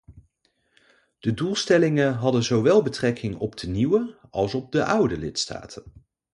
De doelstellingen hadden zowel betrekking op de nieuwe als op de oude lidstaten.